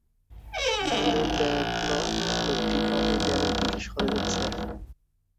নীলুর দেখল, লোকটি ক্রমেই দেয়ালের দিকে সরে যাচ্ছে।